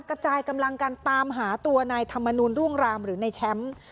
กระจายกำลังกันตามหาตัวนายธรรมนูลร่วงรามหรือในแชมป์